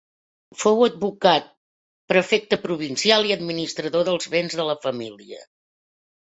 Fou advocat, prefecte provincial i administrador dels béns de la família.